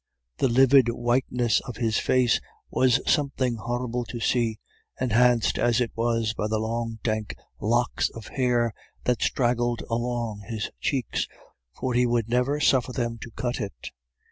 The livid whiteness of his face was something horrible to see, enhanced as it was by the long dank locks of hair that straggled along his cheeks, for he would never suffer them to cut it.